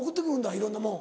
いろんなもん。